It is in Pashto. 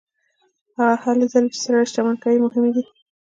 هغه هلې ځلې چې سړی شتمن کوي مهمې دي.